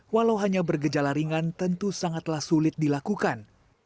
walau hanya bergejala ringan tentu sangatlah sulit dilakukan